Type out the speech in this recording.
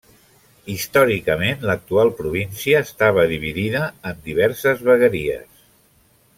Històricament l'actual província estava dividida en diverses vegueries.